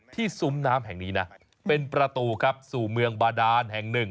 ซุ้มน้ำแห่งนี้นะเป็นประตูครับสู่เมืองบาดานแห่งหนึ่ง